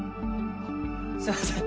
すみません！